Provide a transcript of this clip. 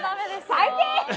最低！